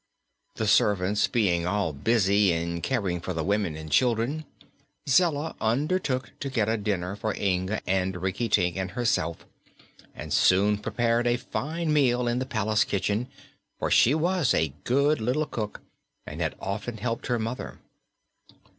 The servants being all busy in caring for the women and children, Zella undertook to get a dinner for Inga and Rinkitink and herself and soon prepared a fine meal in the palace kitchen, for she was a good little cook and had often helped her mother.